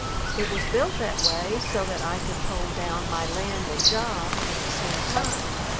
It was built that way so that I could "hold down" my land and job at the same time.